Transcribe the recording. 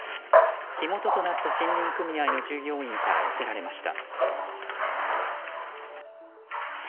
火元となった森林組合の従業員から寄せられました。